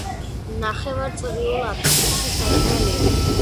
ნახევარწრიულ აფსიდში სარკმელია.